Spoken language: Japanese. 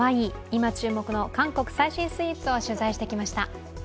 今注目の韓国最新スイーツを取材してきました。